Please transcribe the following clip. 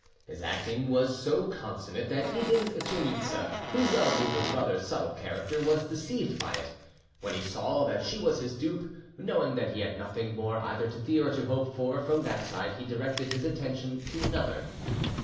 His acting was so consummate that even Chainitza, who well knew her brother's subtle character, was deceived by it. When he saw that she was his dupe, knowing that he had nothing more either to fear or to hope for from that side, he directed his attention to another.